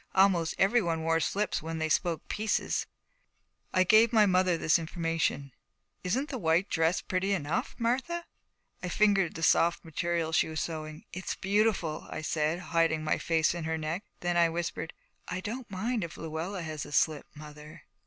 Almost everyone wore slips when they spoke pieces. I gave my mother this information. 'Isn't the white dress pretty enough, Martha?' I fingered the soft material she was sewing. 'It's beautiful,' I said, hiding my face in her neck. Then I whispered, 'I don't mind if Luella has a slip, mother.'